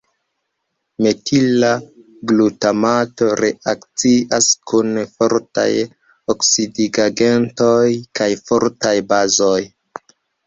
Metila glutamato reakcias kun fortaj oksidigagentoj kaj fortaj bazoj.